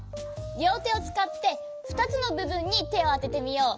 りょうてをつかって２つのぶぶんにてをあててみよう。